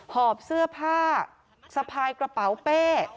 หอบเสื้อผ้าสะพายกระเป๋าเป้